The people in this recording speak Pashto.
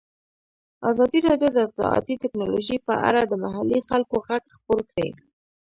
ازادي راډیو د اطلاعاتی تکنالوژي په اړه د محلي خلکو غږ خپور کړی.